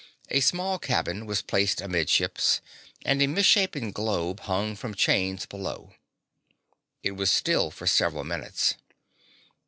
A small cabin was placed amidships, and a misshapen globe hung from chains below. It was still for several minutes.